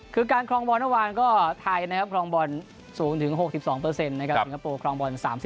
แต่คลองบอลเมื่อวานไทยคลองบอลสูงถึง๖๒สิงคโปรสูง๓๘